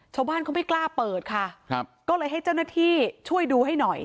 ชาวบ้านเขาไม่กล้าเปิดค่ะครับก็เลยให้เจ้าหน้าที่ช่วยดูให้หน่อย